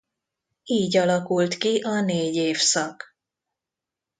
Így alakult ki a négy évszak.